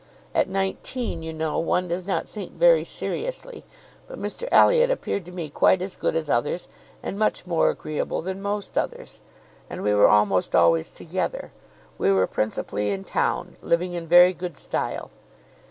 At nineteen, you know, one does not think very seriously; but Mr Elliot appeared to me quite as good as others, and much more agreeable than most others, and we were almost always together. We were principally in town, living in very good style.